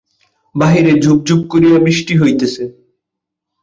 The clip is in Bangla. বাহিরে ঝুপ ঝুপ করিয়া বৃষ্টি হইতেছে।